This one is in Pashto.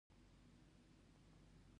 او یوه لوحه او یو شعار